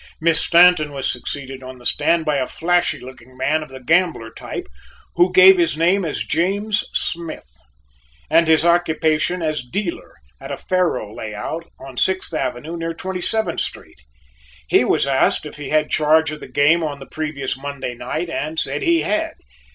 Miss Stanton was succeeded on the stand by a flashy looking man of the gambler type who gave his name as James Smith, and his occupation as dealer at a faro lay out on Sixth Avenue near Twenty seventh Street. He was asked if he had charge of the game on the previous Monday night and said he had.